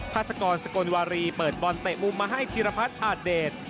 พาสกรสกลวารีเปิดบอลเตะมุมมาให้ธีรพัฒน์อาจเดช